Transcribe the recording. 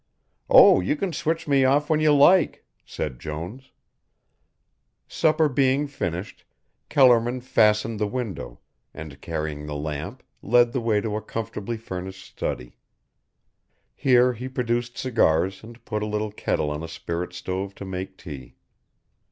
"Oh, you can switch me off when you like," said Jones. Supper being finished, Kellerman fastened the window, and, carrying the lamp, led the way to a comfortably furnished study. Here he produced cigars and put a little kettle on a spirit stove to make tea.